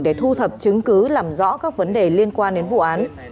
để thu thập chứng cứ làm rõ các vấn đề liên quan đến vụ án